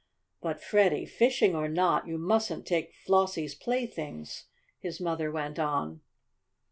"But, Freddie, fishing or not, you mustn't take Flossie's playthings," his mother went on.